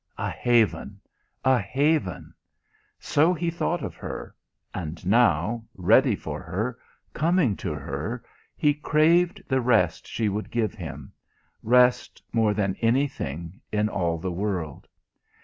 A haven a haven! So he thought of her, and now, ready for her, coming to her, he craved the rest she would give him rest more than anything in all the world.